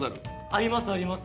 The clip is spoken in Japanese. ありますあります。